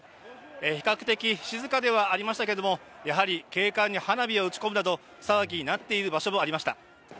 比較的静かではありましたけれども、やはり警官に花火を打ち込むなど騒ぎになっている場所もありました。